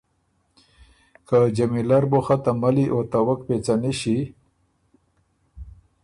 که جمیلۀ ر بُو خه ته ملّی او ته وک پېڅه نِݭی